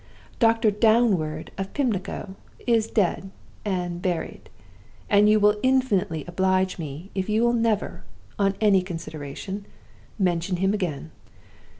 Doctor Downward of Pimlico is dead and buried; and you will infinitely oblige me if you will never, on any consideration, mention him again!